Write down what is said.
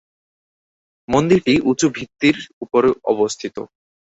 মন্দিরটি উঁচু ভিত্তির উপরে অবস্থিত।